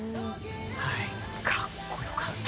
かっこよかった。